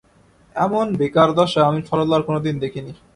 এমন বেকার দশা আমি সরলার কোনোদিন দেখি নি।